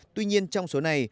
tuy nhiên trong số này